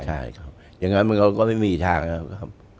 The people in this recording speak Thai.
ใช่ครับอย่างนั้นมันก็ไม่มีอีกทางนะครับ